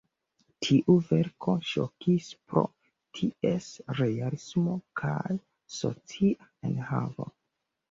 Tiu verko ŝokis pro ties realismo kaj socia enhavo.